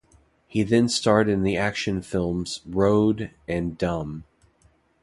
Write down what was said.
He then starred in the action films, "Road" and "Dum".